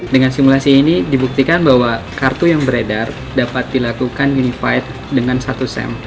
dengan simulasi ini dibuktikan bahwa kartu yang beredar dapat dilakukan invite dengan satu sem